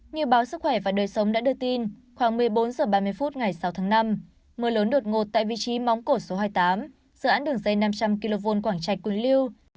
như báo sức khỏe và đời sống đã đưa tin khoảng một mươi bốn h ba mươi phút ngày sáu tháng năm mưa lớn đột ngột tại vị trí móng cổ số hai mươi tám dự án đường dây năm trăm linh kv quảng trạch quỳnh liêu